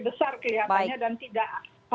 besar kelihatannya dan tidak